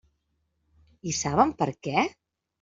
I saben per què?